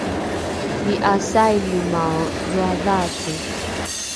i’asainomao dhoadhaace?